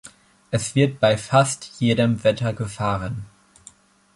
Es wird bei fast jedem Wetter gefahren.